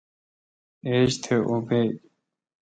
ایج تھ اوں بیگ۔